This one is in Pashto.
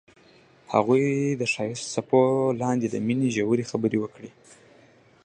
هغوی د ښایسته څپو لاندې د مینې ژورې خبرې وکړې.